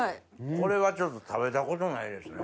これはちょっと食べたことないですね。